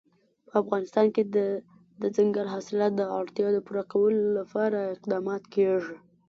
په افغانستان کې د دځنګل حاصلات د اړتیاوو پوره کولو لپاره اقدامات کېږي.